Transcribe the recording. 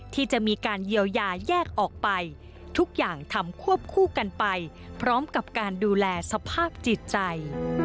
ที่จะมีการเยียวยาแยกออกไปทุกอย่างทำควบคู่กันไปพร้อมกับการดูแลสภาพจิตใจ